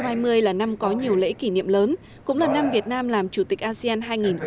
năm hai nghìn hai mươi là năm có nhiều lễ kỷ niệm lớn cũng là năm việt nam làm chủ tịch asean hai nghìn hai mươi